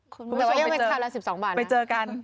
คุณผู้ชมไปเจอกัน